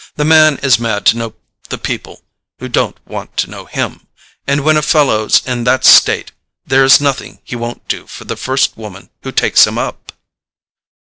The man is mad to know the people who don't want to know him, and when a fellow's in that state there is nothing he won't do for the first woman who takes him up."